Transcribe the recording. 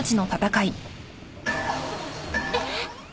えっ！